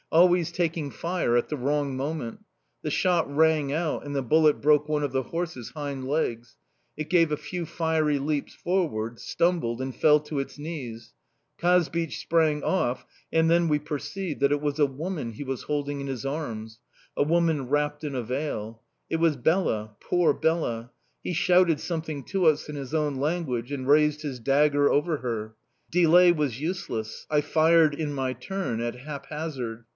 Always taking fire at the wrong moment! The shot rang out and the bullet broke one of the horse's hind legs. It gave a few fiery leaps forward, stumbled, and fell to its knees. Kazbich sprang off, and then we perceived that it was a woman he was holding in his arms a woman wrapped in a veil. It was Bela poor Bela! He shouted something to us in his own language and raised his dagger over her... Delay was useless; I fired in my turn, at haphazard.